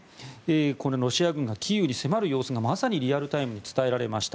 これはロシア軍がキーウに迫る様子がまさにリアルタイムに伝えられました。